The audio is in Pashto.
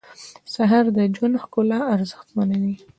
سهار د ژوند ښکلا ارزښتمنوي.